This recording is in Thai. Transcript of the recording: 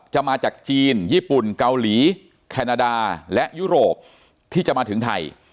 มาจากจีนญี่ปุ่นเกาหลีแคนาดาและยุโรปที่จะมาถึงไทย